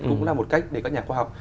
cũng là một cách để các nhà khoa học